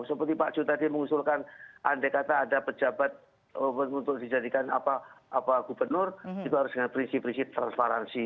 seperti pak cu tadi mengusulkan andai kata ada pejabat untuk dijadikan gubernur itu harus dengan prinsip prinsip transparansi